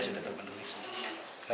artinya kalau amanpeng tetap menerima pak ya